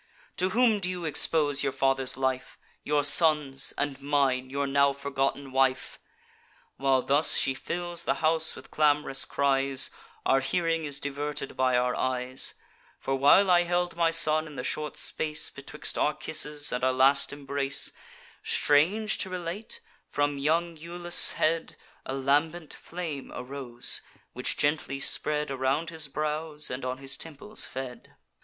To whom do you expose your father's life, Your son's, and mine, your now forgotten wife!' While thus she fills the house with clam'rous cries, Our hearing is diverted by our eyes: For, while I held my son, in the short space Betwixt our kisses and our last embrace; Strange to relate, from young Iulus' head A lambent flame arose, which gently spread Around his brows, and on his temples fed.